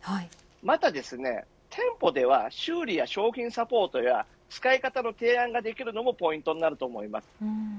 また店舗では修理や商品サポートや使い方の提案ができるのもポイントになると思います